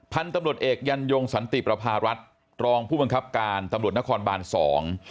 พันธุ์ตำรวจเอกยันยงสันติประพารัฐรองผู้บังคับการตำรวจนครบานสอง